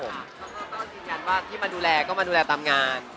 แล้วก็ต้องคิดงั้นว่าที่มาดูแลก็มาดูแลตามงาน